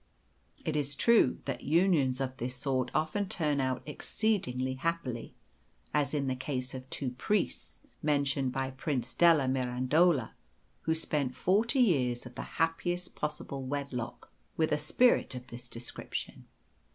It is true that unions of this sort often turn out exceedingly happily, as in the case of two priests, mentioned by Prince della Mirandola, who spent forty years of the happiest possible wedlock with a spirit of this description.